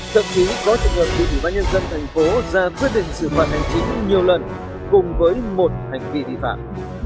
thậm chí có trường hợp bị ủy ban nhân dân thành phố ra quyết định xử phạt hành chính nhiều lần cùng với một hành vi vi phạm